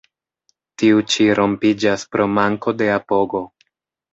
Tiu ĉi rompiĝas pro manko de apogo.